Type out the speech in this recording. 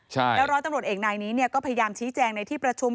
แล้วร้อยตำรวจเอกนายนี้เนี่ยก็พยายามชี้แจงในที่ประชุม